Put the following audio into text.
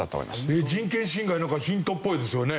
えっ人権侵害なんかヒントっぽいですよね。